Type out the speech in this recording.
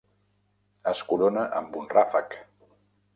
Es corona amb un ràfec.